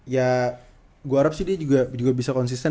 ya gue harap sih dia juga bisa konsisten